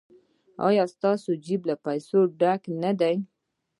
ایا ستاسو جیب له پیسو ډک نه دی؟